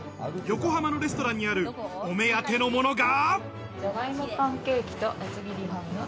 横浜のレストランにある、お目当てのものが。